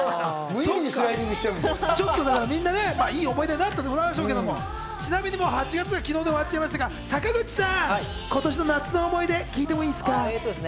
無意味にスライディングみんないい思い出になったんでございましょうけれども、８月も昨日で終わっちゃいましたが、坂口さん、今年の夏の思い出聞いてもいいですか？